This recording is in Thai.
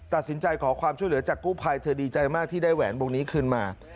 ตัดสินใจขอความช่วยเหลือจากกู้ภัยเธอดีใจมากที่ได้แหวนวงนี้คืนมา